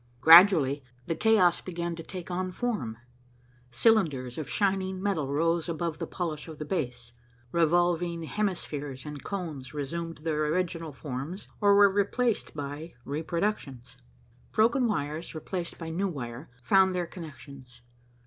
Gradually the chaos began to take on form. Cylinders of shining metal rose above the polish of the base. Revolving hemispheres and cones resumed their original forms or were replaced by reproductions. Broken wires, replaced by new wire, found their connections.